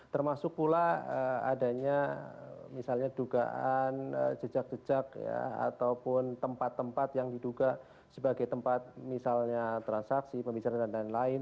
termasuk pula adanya misalnya dugaan jejak jejak ya ataupun tempat tempat yang diduga sebagai tempat misalnya transaksi pembicaraan dan lain lain